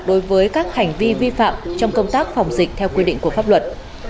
đối với các hành vi vi phạm trong công tác phòng dịch theo quy định của pháp luật